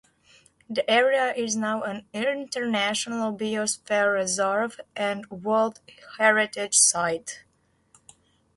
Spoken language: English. The area is now an International Biosphere Reserve and a World Heritage Site.